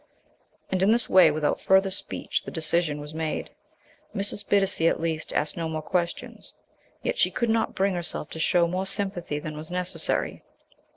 And in this way, without further speech, the decision was made. Mrs. Bittacy, at least, asked no more questions. Yet she could not bring herself to show more sympathy than was necessary.